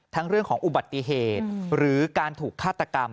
เรื่องของอุบัติเหตุหรือการถูกฆาตกรรม